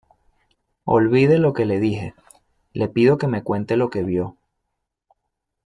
olvide lo que le dije. le pido que me cuente lo que vio